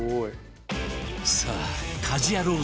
さあ『家事ヤロウ！！！』